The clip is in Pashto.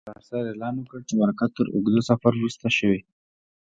انانسر اعلان وکړ چې مرکه تر اوږده سفر وروسته شوې.